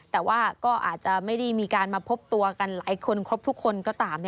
แต่ว่าก็อาจจะไม่ได้มีการมาพบตัวกันหลายคนครบทุกคนก็ตาม